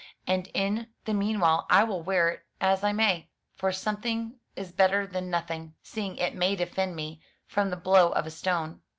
And in the meanwhile I will wear it as I may, for something is better than nothing; seeing it may defend me from the blow of a stone."